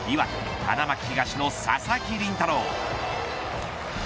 花巻東の佐々木麟太郎。